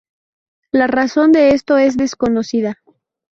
La razón de esto es desconocida.